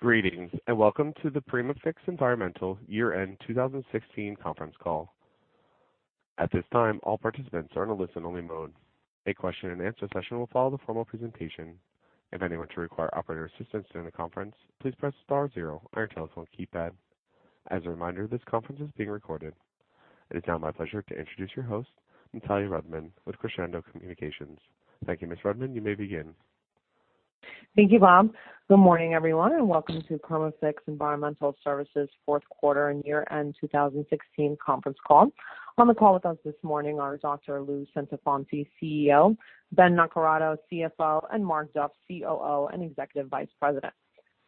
Greetings, and welcome to the Perma-Fix Environmental year-end 2016 conference call. At this time, all participants are in a listen-only mode. A question and answer session will follow the formal presentation. If anyone should require operator assistance during the conference, please press star zero on your telephone keypad. As a reminder, this conference is being recorded. It is now my pleasure to introduce your host, Natalya Rudman with Crescendo Communications. Thank you, Ms. Rudman. You may begin. Thank you, Bob. Good morning, everyone, and welcome to Perma-Fix Environmental Services' fourth quarter and year-end 2016 conference call. On the call with us this morning are Dr. Lou Centofanti, CEO; Ben Naccarato, CFO; and Mark Duff, COO and Executive Vice President.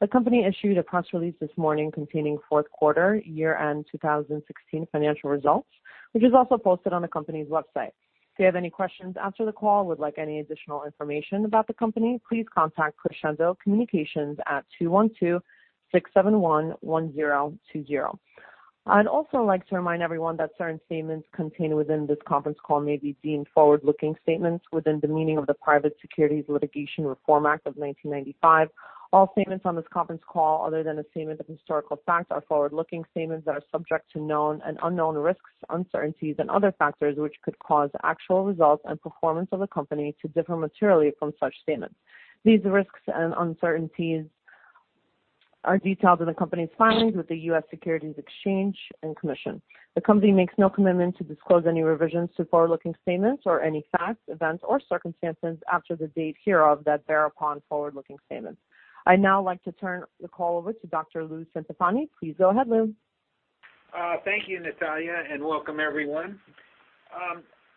The company issued a press release this morning containing fourth quarter, year-end 2016 financial results, which is also posted on the company's website. If you have any questions after the call or would like any additional information about the company, please contact Crescendo Communications at 212-671-1020. I'd also like to remind everyone that certain statements contained within this conference call may be deemed forward-looking statements within the meaning of the Private Securities Litigation Reform Act of 1995. All statements on this conference call, other than a statement of historical fact, are forward-looking statements that are subject to known and unknown risks, uncertainties, and other factors which could cause actual results and performance of the company to differ materially from such statements. These risks and uncertainties are detailed in the company's filings with the U.S. Securities and Exchange Commission. The company makes no commitment to disclose any revisions to forward-looking statements or any facts, events, or circumstances after the date hereof that bear upon forward-looking statements. I'd now like to turn the call over to Dr. Lou Centofanti. Please go ahead, Lou. Thank you, Natalya, and welcome everyone.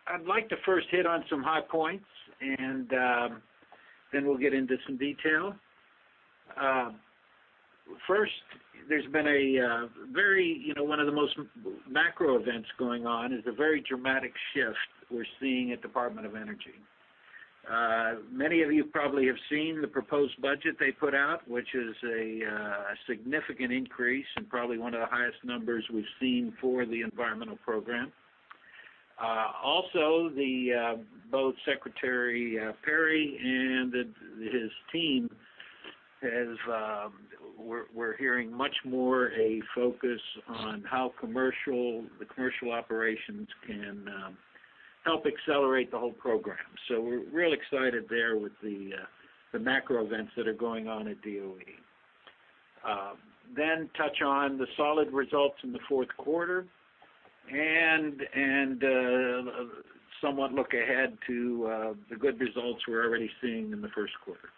I'd like to first hit on some high points, and then we'll get into some detail. First, one of the most macro events going on is the very dramatic shift we're seeing at Department of Energy. Many of you probably have seen the proposed budget they put out, which is a significant increase and probably one of the highest numbers we've seen for the environmental program. Also, both Secretary Perry and his team, we're hearing much more a focus on how the commercial operations can help accelerate the whole program. We're real excited there with the macro events that are going on at DOE. Touch on the solid results in the fourth quarter and somewhat look ahead to the good results we're already seeing in the first quarter.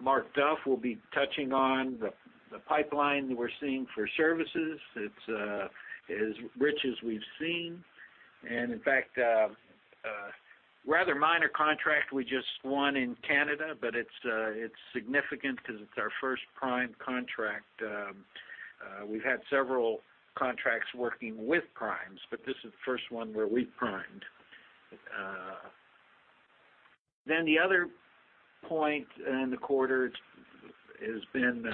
Mark Duff will be touching on the pipeline that we're seeing for services. It's as rich as we've seen, and in fact, a rather minor contract we just won in Canada, but it's significant because it's our first prime contract. We've had several contracts working with primes, but this is the first one where we primed. The other point in the quarter has been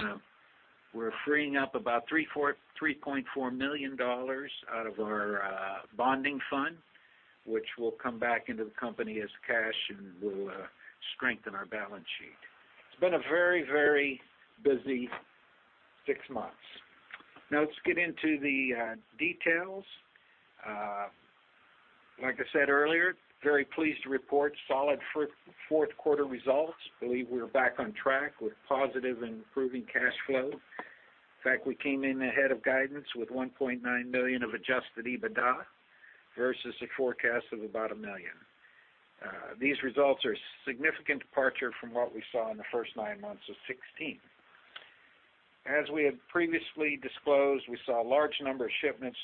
we're freeing up about $3.4 million out of our bonding fund, which will come back into the company as cash and will strengthen our balance sheet. It's been a very busy six months. Let's get into the details. Like I said earlier, very pleased to report solid fourth-quarter results. We believe we are back on track with positive and improving cash flow. We came in ahead of guidance with $1.9 million of adjusted EBITDA versus a forecast of about $1 million. These results are a significant departure from what we saw in the first nine months of 2016. As we had previously disclosed, we saw a large number of shipments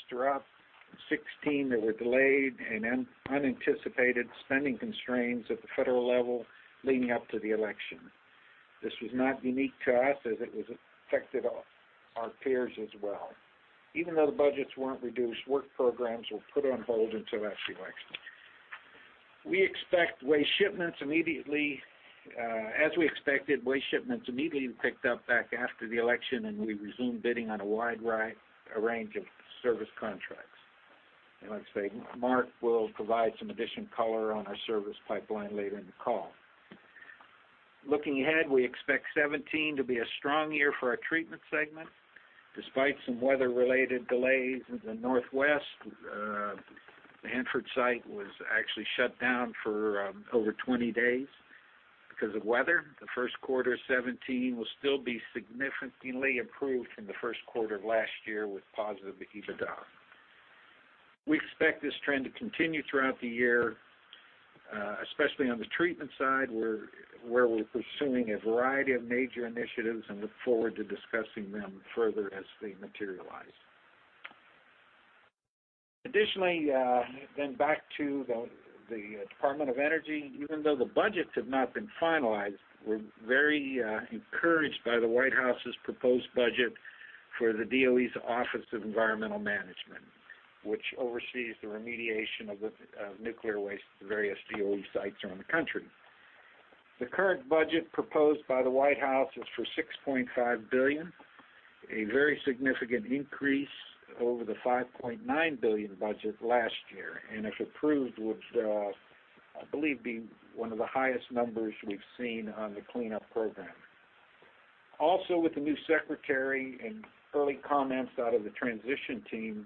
throughout 2016 that were delayed and unanticipated spending constraints at the federal level leading up to the election. This was not unique to us, as it affected our peers as well. Even though the budgets weren't reduced, work programs were put on hold until after the election. As we expected, waste shipments immediately picked up back after the election, and we resumed bidding on a wide range of service contracts. Like I say, Mark will provide some additional color on our service pipeline later in the call. Looking ahead, we expect 2017 to be a strong year for our treatment segment despite some weather-related delays in the Northwest. The Hanford site was actually shut down for over 20 days because of weather. The first quarter of 2017 will still be significantly improved from the first quarter of last year with positive EBITDA. We expect this trend to continue throughout the year, especially on the treatment side, where we're pursuing a variety of major initiatives and look forward to discussing them further as they materialize. Back to the Department of Energy. Even though the budgets have not been finalized, we're very encouraged by the White House's proposed budget for the DOE's Office of Environmental Management, which oversees the remediation of nuclear waste at the various DOE sites around the country. The current budget proposed by the White House is for $6.5 billion, a very significant increase over the $5.9 billion budget last year, and if approved, would, I believe, be one of the highest numbers we've seen on the cleanup program. With the new secretary and early comments out of the transition team,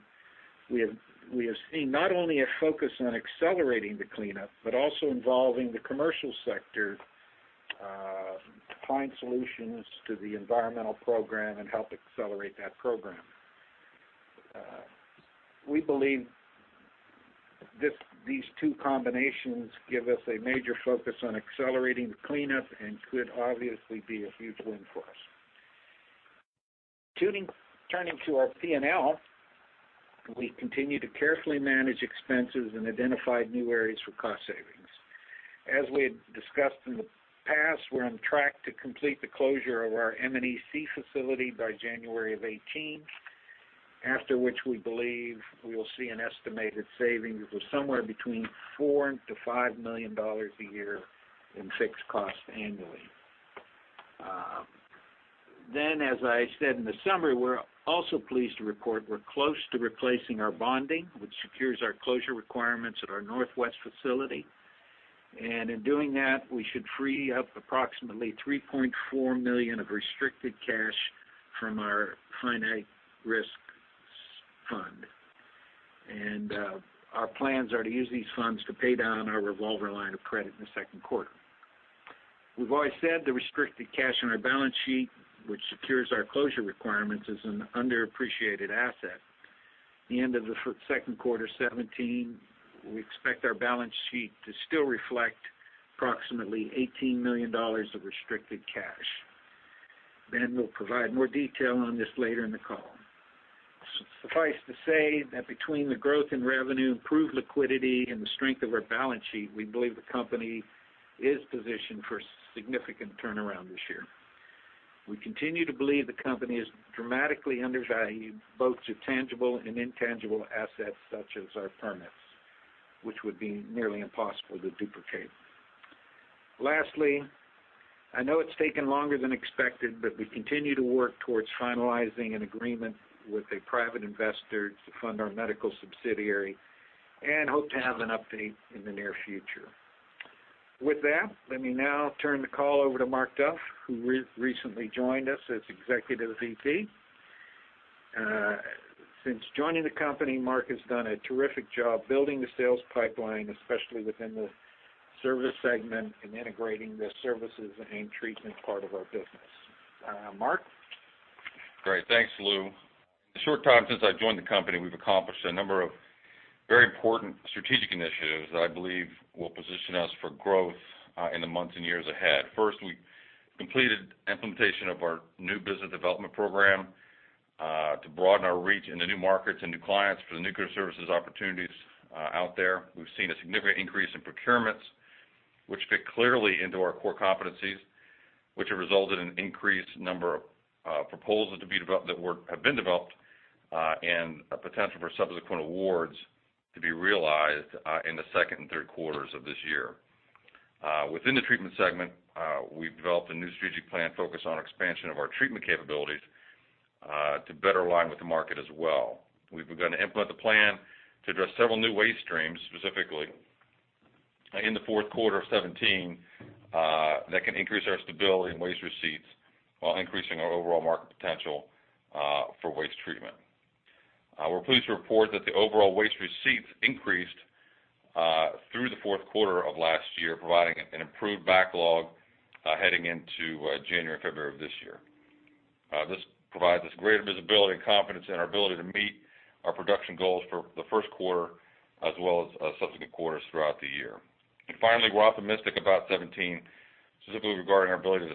we have seen not only a focus on accelerating the cleanup, but also involving the commercial sector to find solutions to the environmental program and help accelerate that program. We believe these two combinations give us a major focus on accelerating the cleanup and could obviously be a huge win for us. Turning to our P&L, we continue to carefully manage expenses and identify new areas for cost savings. As we had discussed in the past, we're on track to complete the closure of our M&EC facility by January of 2018, after which we believe we will see an estimated savings of somewhere between $4 million-$5 million a year in fixed costs annually. As I said in the summary, we're also pleased to report we're close to replacing our bonding, which secures our closure requirements at our Northwest facility. In doing that, we should free up approximately $3.4 million of restricted cash from our finite risks fund. Our plans are to use these funds to pay down our revolver line of credit in the second quarter. We've always said the restricted cash on our balance sheet, which secures our closure requirements, is an underappreciated asset. At the end of the second quarter 2017, we expect our balance sheet to still reflect approximately $18 million of restricted cash. Ben will provide more detail on this later in the call. Suffice to say that between the growth in revenue, improved liquidity, and the strength of our balance sheet, we believe the company is positioned for a significant turnaround this year. We continue to believe the company is dramatically undervalued, both to tangible and intangible assets such as our permits, which would be nearly impossible to duplicate. Lastly, I know it's taken longer than expected, but we continue to work towards finalizing an agreement with a private investor to fund our medical subsidiary and hope to have an update in the near future. With that, let me now turn the call over to Mark Duff, who recently joined us as Executive Vice President. Since joining the company, Mark has done a terrific job building the sales pipeline, especially within the service segment, and integrating the services and treatment part of our business. Mark? Great. Thanks, Lou. In the short time since I joined the company, we've accomplished a number of very important strategic initiatives that I believe will position us for growth in the months and years ahead. First, we completed implementation of our new business development program to broaden our reach into new markets and new clients for the nuclear services opportunities out there. We've seen a significant increase in procurements, which fit clearly into our core competencies, which have resulted in increased number of proposals that have been developed, and a potential for subsequent awards to be realized in the second and third quarters of this year. Within the treatment segment, we've developed a new strategic plan focused on expansion of our treatment capabilities to better align with the market as well. We've begun to implement the plan to address several new waste streams, specifically in the fourth quarter of 2017, that can increase our stability and waste receipts while increasing our overall market potential for waste treatment. We're pleased to report that the overall waste receipts increased through the fourth quarter of last year, providing an improved backlog heading into January, February of this year. This provides us greater visibility and confidence in our ability to meet our production goals for the first quarter as well as subsequent quarters throughout the year. Finally, we're optimistic about 2017, specifically regarding our ability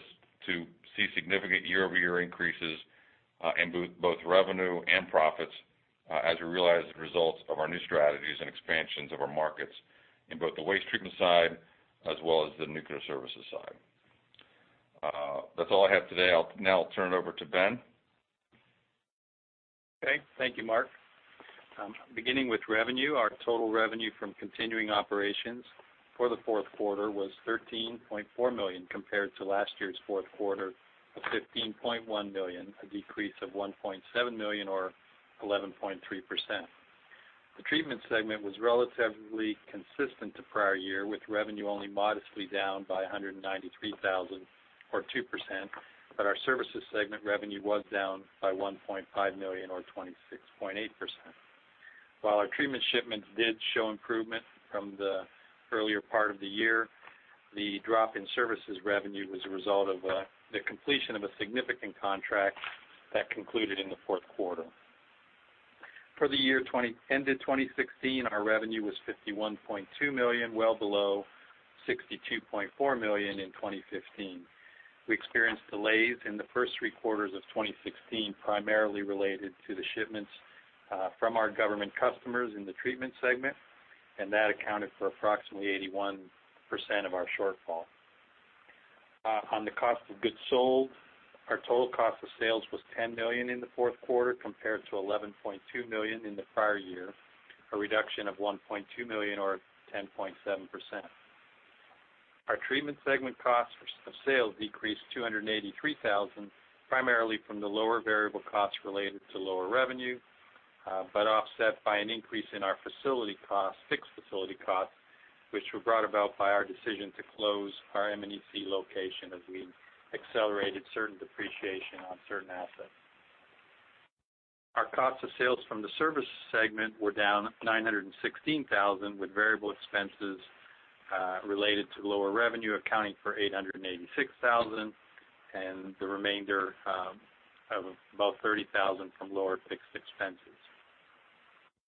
to see significant year-over-year increases in both revenue and profits as we realize the results of our new strategies and expansions of our markets in both the waste treatment side as well as the nuclear services side. That's all I have today. I'll now turn it over to Ben. Okay. Thank you, Mark. Beginning with revenue, our total revenue from continuing operations for the fourth quarter was $13.4 million compared to last year's fourth quarter of $15.1 million, a decrease of $1.7 million or 11.3%. The treatment segment was relatively consistent to prior year, with revenue only modestly down by $193,000 or 2%. Our services segment revenue was down by $1.5 million or 26.8%. While our treatment shipments did show improvement from the earlier part of the year, the drop in services revenue was a result of the completion of a significant contract that concluded in the fourth quarter. For the year ended 2016, our revenue was $51.2 million, well below $62.4 million in 2015. We experienced delays in the first three quarters of 2016, primarily related to the shipments from our government customers in the treatment segment. That accounted for approximately 81% of our shortfall. On the cost of goods sold, our total cost of sales was $10 million in the fourth quarter compared to $11.2 million in the prior year, a reduction of $1.2 million or 10.7%. Our treatment segment cost of sales decreased $283,000, primarily from the lower variable costs related to lower revenue. Offset by an increase in our fixed facility costs, which were brought about by our decision to close our M&EC location as we accelerated certain depreciation on certain assets. Our cost of sales from the service segment were down $916,000 with variable expenses related to lower revenue accounting for $886,000, and the remainder of about $30,000 from lower fixed expenses.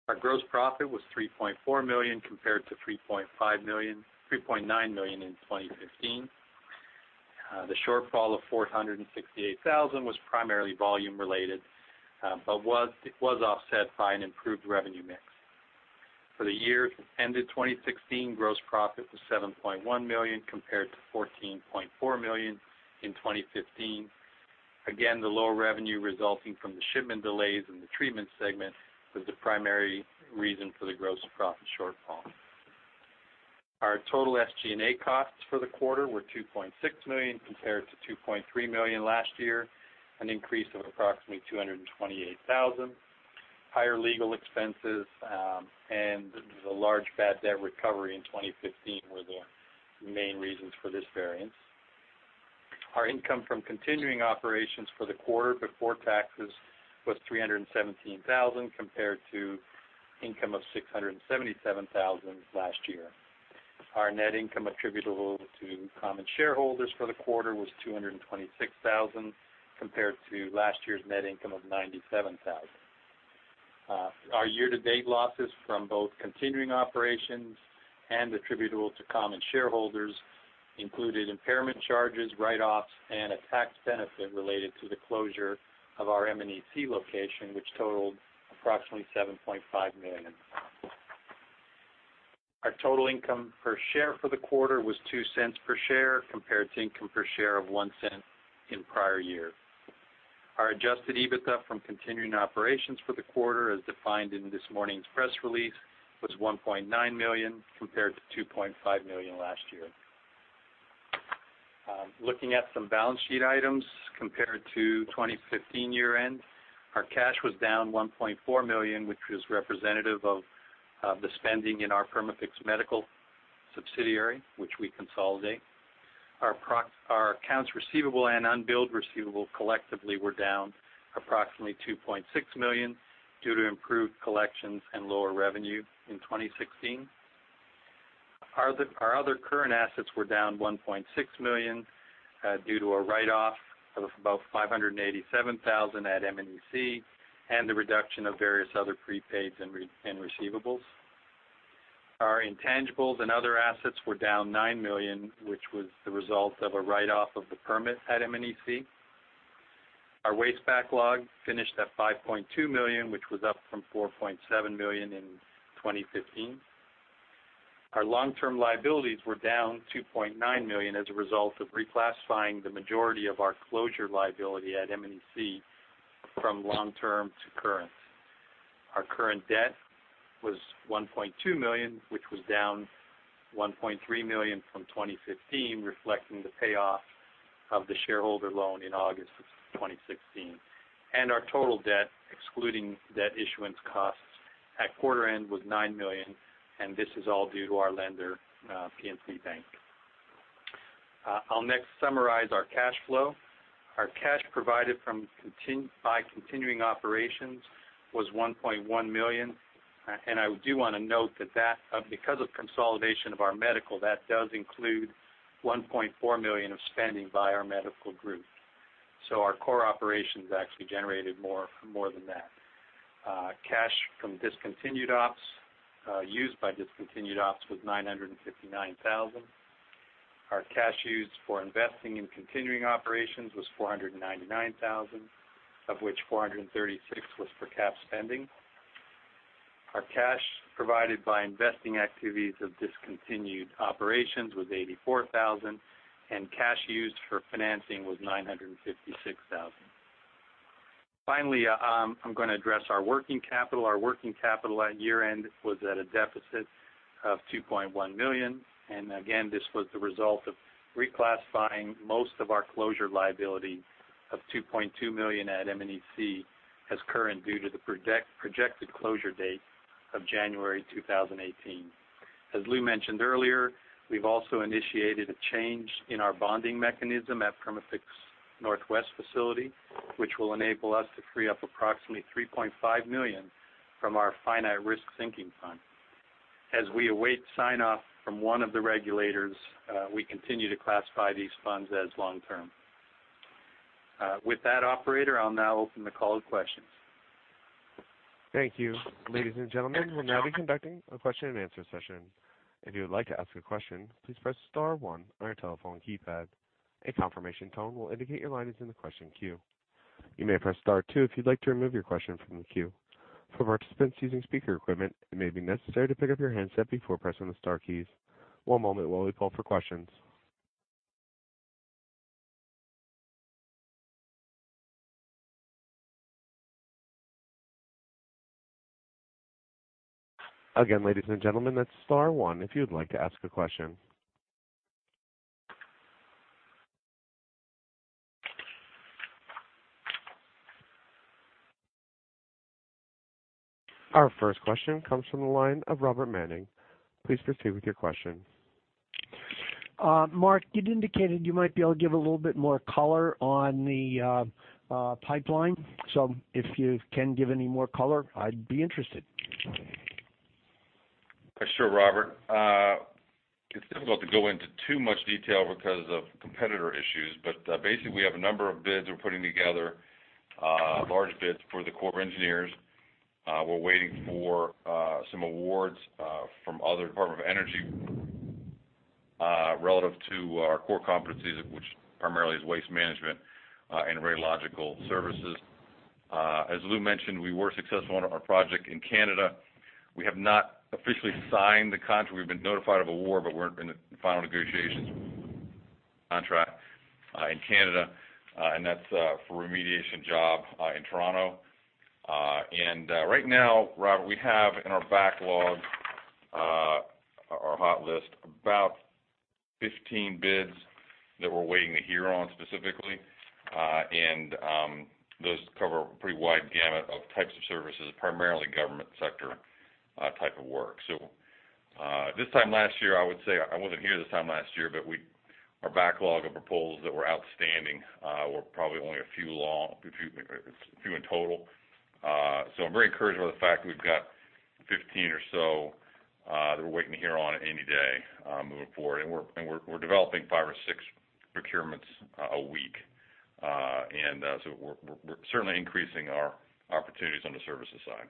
Our gross profit was $3.4 million compared to $3.9 million in 2015. The shortfall of $468,000 was primarily volume related. It was offset by an improved revenue mix. For the year ended 2016, gross profit was $7.1 million compared to $14.4 million in 2015. Again, the lower revenue resulting from the shipment delays in the treatment segment was the primary reason for the gross profit shortfall. Our total SG&A costs for the quarter were $2.6 million compared to $2.3 million last year, an increase of approximately $228,000. Higher legal expenses, and a large bad debt recovery in 2015 were the main reasons for this variance. Our income from continuing operations for the quarter before taxes was $317,000 compared to income of $677,000 last year. Our net income attributable to common shareholders for the quarter was $226,000 compared to last year's net income of $97,000. Our year-to-date losses from both continuing operations and attributable to common shareholders included impairment charges, write-offs, and a tax benefit related to the closure of our M&EC location, which totaled approximately $7.5 million. Our total income per share for the quarter was $0.02 per share compared to income per share of $0.01 in prior year. Our adjusted EBITDA from continuing operations for the quarter, as defined in this morning's press release, was $1.9 million compared to $2.5 million last year. Looking at some balance sheet items compared to 2015 year-end, our cash was down $1.4 million, which was representative of the spending in our Perma-Fix Medical subsidiary, which we consolidate. Our accounts receivable and unbilled receivable collectively were down approximately $2.6 million due to improved collections and lower revenue in 2016. Our other current assets were down $1.6 million due to a write-off of about $587,000 at M&EC and the reduction of various other prepaids and receivables. Our intangibles and other assets were down $9 million, which was the result of a write-off of the permit at M&EC. Our waste backlog finished at $5.2 million, which was up from $4.7 million in 2015. Our long-term liabilities were down $2.9 million as a result of reclassifying the majority of our closure liability at M&EC from long-term to current. Our current debt was $1.2 million, which was down $1.3 million from 2015, reflecting the payoff of the shareholder loan in August of 2016. Our total debt, excluding debt issuance costs at quarter end was $9 million, and this is all due to our lender, PNC Bank. I'll next summarize our cash flow. Our cash provided by continuing operations was $1.1 million. I do want to note that because of consolidation of our medical, that does include $1.4 million of spending by our medical group. Our core operations actually generated more than that. Cash used by discontinued ops was $959,000. Our cash used for investing in continuing operations was $499,000, of which $436,000 was for cap spending. Our cash provided by investing activities of discontinued operations was $84,000, and cash used for financing was $956,000. Finally, I'm going to address our working capital. Our working capital at year-end was at a deficit of $2.1 million. Again, this was the result of reclassifying most of our closure liability of $2.2 million at M&EC as current due to the projected closure date of January 2018. As Lou mentioned earlier, we've also initiated a change in our bonding mechanism at Perma-Fix Northwest facility, which will enable us to free up approximately $3.5 million from our finite risk sinking fund. As we await sign-off from one of the regulators, we continue to classify these funds as long-term. With that, operator, I'll now open the call to questions. Thank you. Ladies and gentlemen, we'll now be conducting a question-and-answer session. If you would like to ask a question, please press star one on your telephone keypad. A confirmation tone will indicate your line is in the question queue. You may press star two if you'd like to remove your question from the queue. For participants using speaker equipment, it may be necessary to pick up your handset before pressing the star keys. One moment while we call for questions. Again, ladies and gentlemen, that's star one if you'd like to ask a question. Our first question comes from the line of Robert Manning. Please proceed with your question. Mark, you'd indicated you might be able to give a little bit more color on the pipeline. If you can give any more color, I'd be interested. Sure, Robert. It's difficult to go into too much detail because of competitor issues. Basically, we have a number of bids we're putting together, large bids for the Corps of Engineers. We're waiting for some awards from other Department of Energy relative to our core competencies, which primarily is waste management and radiological services. As Lou mentioned, we were successful on our project in Canada. We have not officially signed the contract. We've been notified of award, but we're in the final negotiations contract in Canada. That's for a remediation job in Toronto. Right now, Robert, we have in our backlog, our hot list, about 15 bids that we're waiting to hear on specifically. Those cover a pretty wide gamut of types of services, primarily government sector type of work. This time last year, I would say, I wasn't here this time last year, our backlog of proposals that were outstanding were probably only a few in total. I'm very encouraged by the fact that we've got 15 or so that we're waiting to hear on any day moving forward. We're developing five or six procurements a week. We're certainly increasing our opportunities on the services side.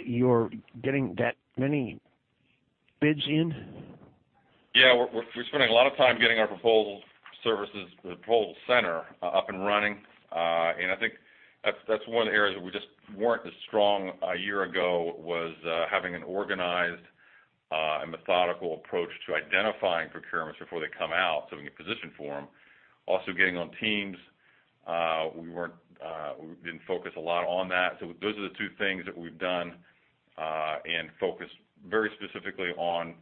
You're getting that many bids in? We're spending a lot of time getting our proposal services, the proposal center up and running. I think that's one area that we just weren't as strong a year ago was having an organized and methodical approach to identifying procurements before they come out so we can position for them. Also getting on Teams. We didn't focus a lot on that. Those are the two things that we've done and focused very specifically on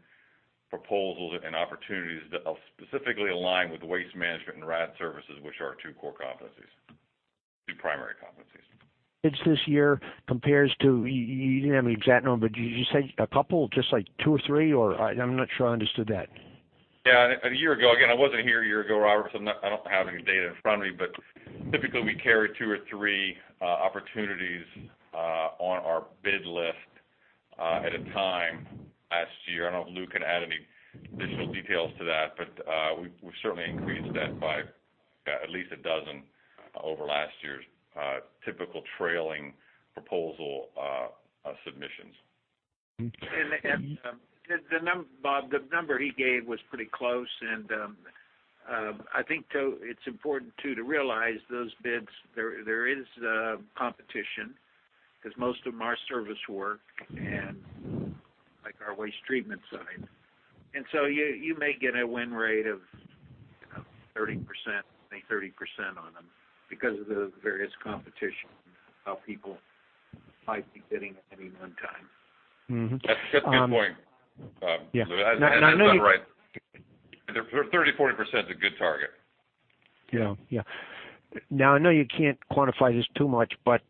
proposals and opportunities that specifically align with waste management and RAD services, which are our two core competencies, two primary competencies. Bids this year compares to, you didn't have an exact number, did you say a couple? Just like two or three? I'm not sure I understood that. Yeah. A year ago, again, I wasn't here a year ago, Robert, I don't have any data in front of me. Typically, we carry two or three opportunities on our bid list at a time last year. I don't know if Lou can add any additional details to that, we've certainly increased that by at least a dozen over last year's typical trailing proposal submissions. Okay. Bob, the number he gave was pretty close, I think it's important too, to realize those bids, there is competition because most of them are service work and like our waste treatment side. You may get a win rate of 30% on them because of the various competition of people might be bidding at any one time. That's a good point, Bob. Lou has that done right. 30%-40% is a good target. I know you can't quantify this too much, but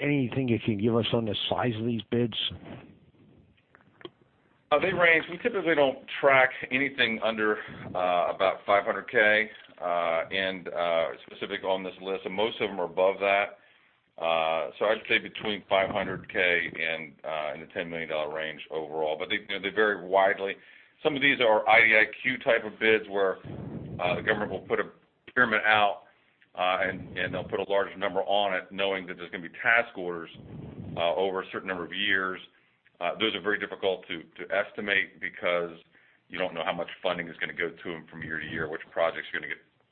anything you can give us on the size of these bids? They range. We typically don't track anything under about $500K and specific on this list. Most of them are above that. I'd say between $500K and the $10 million range overall, but they vary widely. Some of these are IDIQ type of bids where the government will put a procurement out, and they'll put a large number on it knowing that there's going to be task orders over a certain number of years. Those are very difficult to estimate because you don't know how much funding is going to go to them from year to year, which projects are going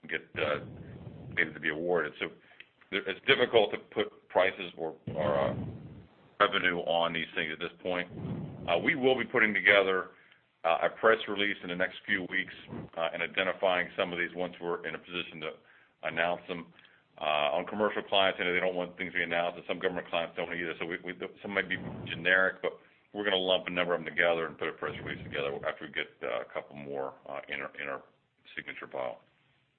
to be awarded. It's difficult to put prices or revenue on these things at this point. We will be putting together a press release in the next few weeks and identifying some of these ones we're in a position to announce them. On commercial clients, they don't want things to be announced, and some government clients don't either. Some might be generic, but we're going to lump a number of them together and put a press release together after we get a couple more in our signature pile.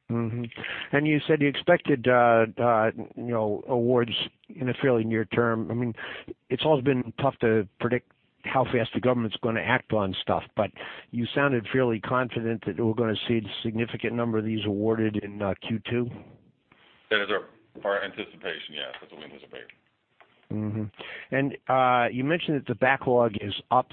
You said you expected awards in the fairly near term. It's always been tough to predict how fast the government's going to act on stuff, but you sounded fairly confident that we're going to see a significant number of these awarded in Q2? That is our anticipation, yeah, that the win is. You mentioned that the backlog is up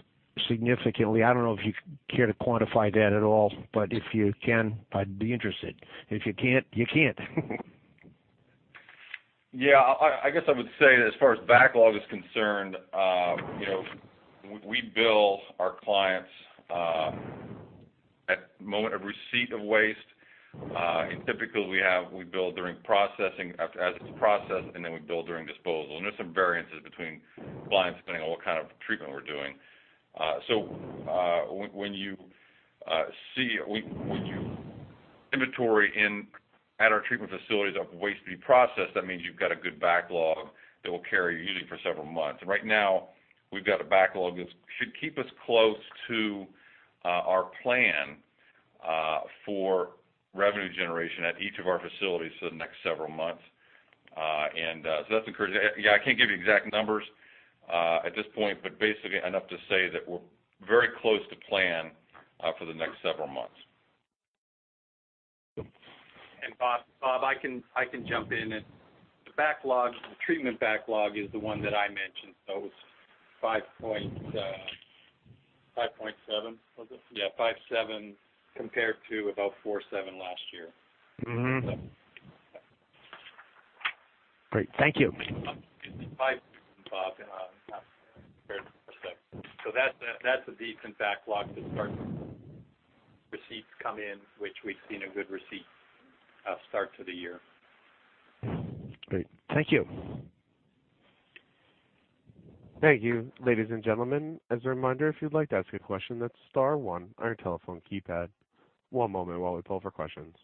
significantly. I don't know if you care to quantify that at all, but if you can, I'd be interested. If you can't, you can't. Yeah, I guess I would say that as far as backlog is concerned, we bill our clients at moment of receipt of waste. Typically, we bill during processing, as it's processed, then we bill during disposal. There's some variances between clients depending on what kind of treatment we're doing. When you see inventory at our treatment facilities of waste to be processed, that means you've got a good backlog that will carry you usually for several months. Right now, we've got a backlog that should keep us close to our plan for revenue generation at each of our facilities for the next several months. That's encouraging. I can't give you exact numbers at this point, but basically enough to say that we're very close to plan for the next several months. Bob, I can jump in. The treatment backlog is the one that I mentioned, it's 5.7, was it? Yeah, 5.7 compared to about 4.7 last year. Great, thank you. 5.7, Bob. That's a decent backlog to start from. Receipts come in, which we've seen a good receipt start to the year. Great. Thank you. Thank you. Ladies and gentlemen, as a reminder, if you'd like to ask a question, that's star one on your telephone keypad. One moment while we poll for questions.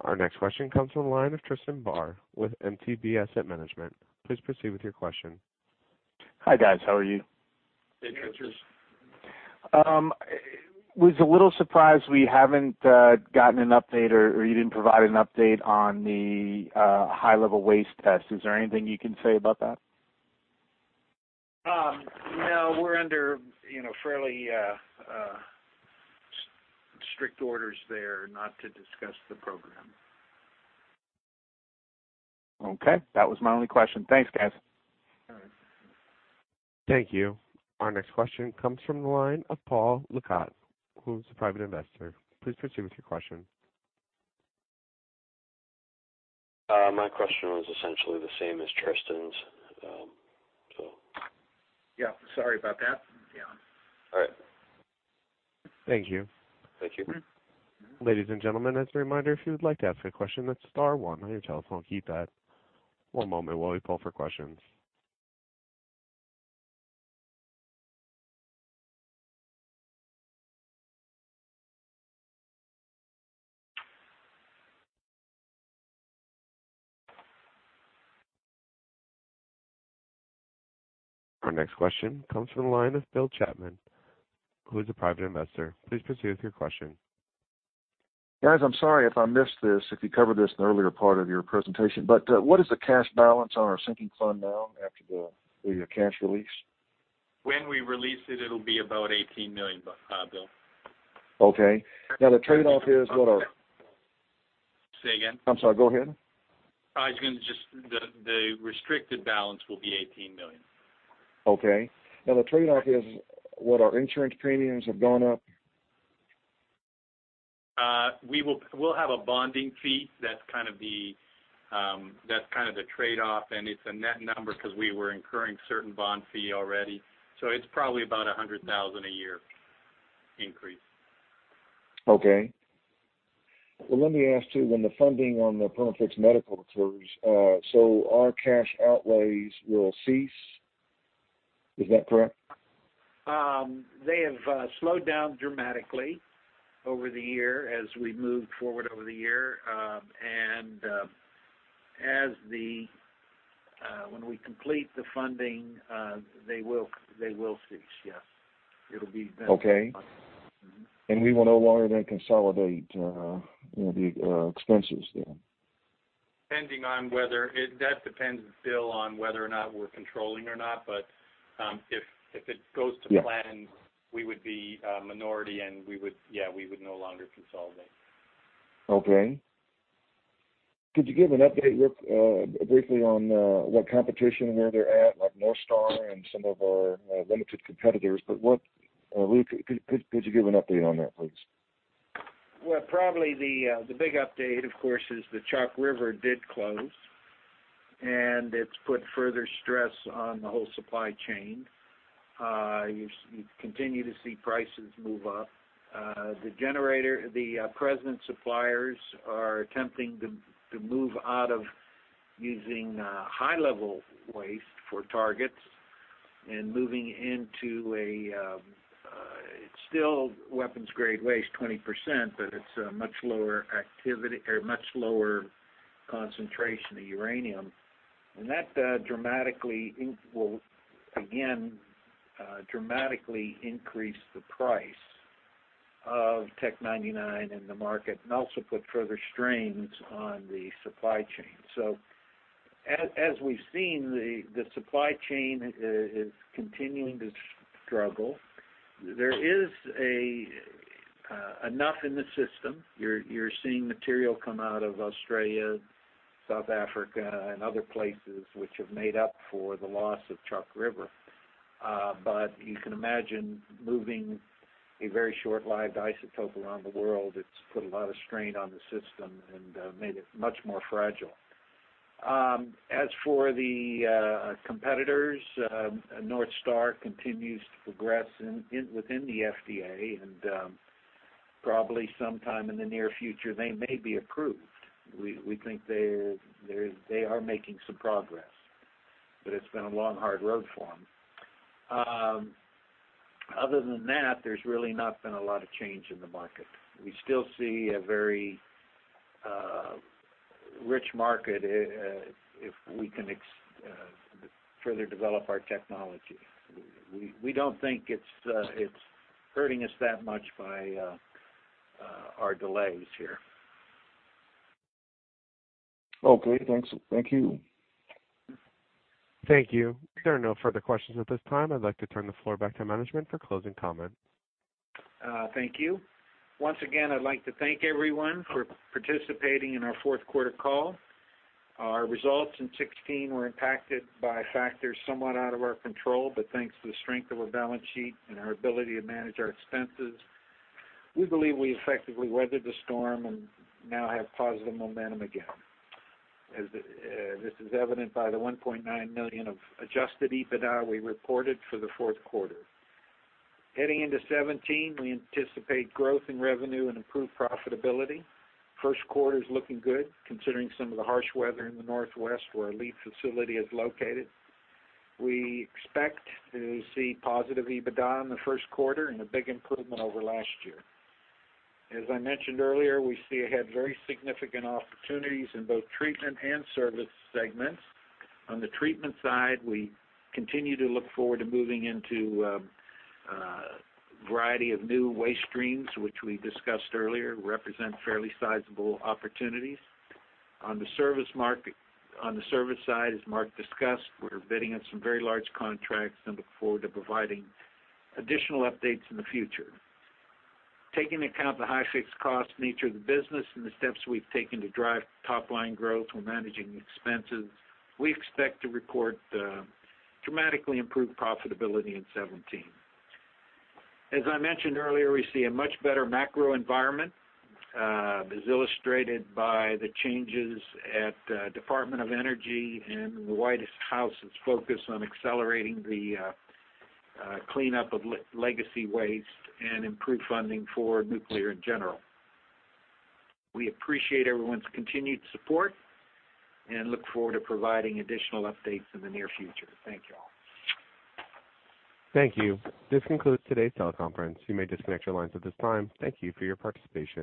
Our next question comes from the line of Tristan Barr with MTB Asset Management. Please proceed with your question. Hi guys, how are you? Hey, Tristan. Was a little surprised we haven't gotten an update or you didn't provide an update on the high-level waste test. Is there anything you can say about that? No, we're under fairly strict orders there not to discuss the program. Okay. That was my only question. Thanks, guys. All right. Thank you. Our next question comes from the line of Paul Lacote, who is a private investor. Please proceed with your question. My question was essentially the same as Tristan's. Yeah. Sorry about that. Yeah. All right. Thank you. Thank you. Ladies and gentlemen, as a reminder, if you would like to ask a question, that's star one on your telephone keypad. One moment while we poll for questions. Our next question comes from the line of Bill Chapman, who is a private investor. Please proceed with your question. Guys, I'm sorry if I missed this, if you covered this in the earlier part of your presentation, what is the cash balance on our sinking fund now after the cash release? When we release it'll be about $18 million, Bill. Okay. Now the trade-off is what our- Say again? I'm sorry, go ahead. The restricted balance will be $18 million. Okay. Now the trade-off is what our insurance premiums have gone up? We'll have a bonding fee, that's kind of the trade-off, and it's a net number because we were incurring certain bond fee already. It's probably about $100,000 a year increase. Okay. Well, let me ask, too, when the funding on the Perma-Fix Medical occurs, so our cash outlays will cease. Is that correct? They have slowed down dramatically over the year as we've moved forward over the year. When we complete the funding, they will cease, yes. Okay. We will no longer then consolidate the expenses then. That depends, Bill, on whether or not we're controlling or not. If it goes to plan. Yeah we would be a minority and we would no longer consolidate. Okay. Could you give an update, Louis, briefly on what competition and where they're at, like NorthStar and some of our limited competitors? Could you give an update on that, please? Well, probably the big update, of course, is that Chalk River did close, it's put further stress on the whole supply chain. You continue to see prices move up. The present suppliers are attempting to move out of using high-level waste for targets and moving into a It's still weapons-grade waste 20%, but it's a much lower concentration of uranium. That dramatically will, again, dramatically increase the price of Tech 99 in the market and also put further strains on the supply chain. As we've seen, the supply chain is continuing to struggle. There is a Enough in the system. You're seeing material come out of Australia, South Africa, and other places which have made up for the loss of Chalk River. You can imagine moving a very short-lived isotope around the world, it's put a lot of strain on the system and made it much more fragile. As for the competitors, NorthStar continues to progress within the FDA and probably sometime in the near future, they may be approved. We think they are making some progress, but it's been a long, hard road for them. Other than that, there's really not been a lot of change in the market. We still see a very rich market, if we can further develop our technology. We don't think it's hurting us that much by our delays here. Okay, thanks. Thank you. Thank you. There are no further questions at this time. I'd like to turn the floor back to management for closing comments. Thank you. Once again, I'd like to thank everyone for participating in our fourth quarter call. Our results in 2016 were impacted by factors somewhat out of our control, but thanks to the strength of our balance sheet and our ability to manage our expenses, we believe we effectively weathered the storm and now have positive momentum again. This is evident by the $1.9 million of adjusted EBITDA we reported for the fourth quarter. Heading into 2017, we anticipate growth in revenue and improved profitability. First quarter's looking good, considering some of the harsh weather in the Northwest where our lead facility is located. We expect to see positive EBITDA in the first quarter and a big improvement over last year. As I mentioned earlier, we see ahead very significant opportunities in both treatment and service segments. On the treatment side, we continue to look forward to moving into a variety of new waste streams which we discussed earlier, represent fairly sizable opportunities. On the service side, as Mark discussed, we're bidding on some very large contracts and look forward to providing additional updates in the future. Taking into account the high fixed cost nature of the business and the steps we've taken to drive top line growth while managing expenses, we expect to report dramatically improved profitability in 2017. As I mentioned earlier, we see a much better macro environment, as illustrated by the changes at Department of Energy and the White House's focus on accelerating the cleanup of legacy waste and improved funding for nuclear in general. We appreciate everyone's continued support and look forward to providing additional updates in the near future. Thank you all. Thank you. This concludes today's teleconference. You may disconnect your lines at this time. Thank you for your participation.